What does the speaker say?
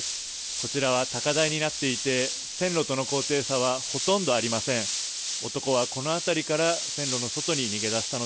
こちらは高台になっていて線路との高低差はほとんどありません。